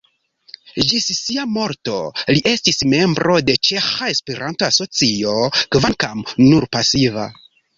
Ĝis sia morto li estis membro de Ĉeĥa Esperanto-Asocio, kvankam nur pasiva.